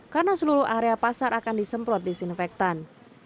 karena seluruh area pasar akan disemprot disinfektan